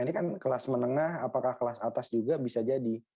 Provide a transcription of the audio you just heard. ini kan kelas menengah apakah kelas atas juga bisa jadi